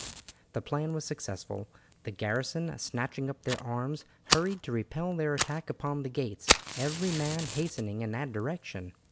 The plan was successful. The garrison, snatching up their arms, hurried to repel their attack upon the gates, every man hastening in that direction.